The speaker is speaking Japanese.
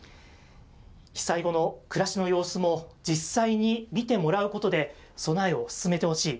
被災後の暮らしの様子も実際に見てもらうことで、備えを進めてほしい。